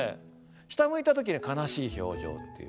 下向いた時に悲しい表情っていう。